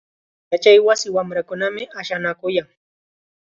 Yachaywasi wamrakunam ashanakuyan.